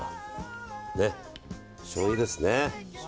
しょうゆですね。